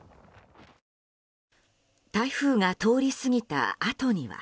台風が通り過ぎたあとには。